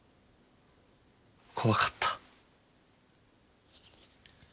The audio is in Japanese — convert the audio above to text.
怖かった。